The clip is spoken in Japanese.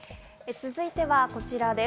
続いてこちらです。